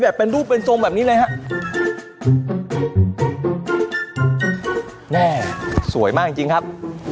เป็นรูปเป็นทรงแบบนี้เลยฮะแน่สวยมากจริงจริงครับ